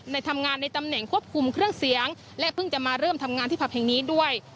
ทำงานในตำแหน่งควบคุมเครื่องเสียงและเพิ่งจะมาเริ่มทำงานที่ผับแห่งนี้ด้วย